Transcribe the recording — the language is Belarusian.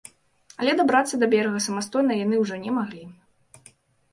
Але дабрацца да берага самастойна яны ўжо не маглі.